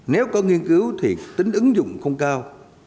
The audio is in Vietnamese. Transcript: nếu có nghiên cứu thì tính ứng dụng không cao